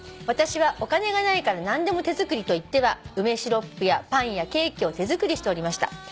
「私はお金がないから何でも手作りと言っては梅シロップやパンやケーキを手作りしておりました」